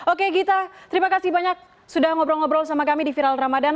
oke gita terima kasih banyak sudah ngobrol ngobrol sama kami di viral ramadan